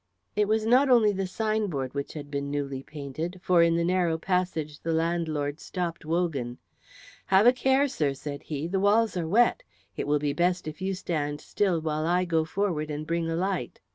It was not only the sign board which had been newly painted, for in the narrow passage the landlord stopped Wogan. "Have a care, sir," said he; "the walls are wet. It will be best if you stand still while I go forward and bring a light."